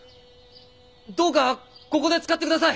どうかここで使って下さい！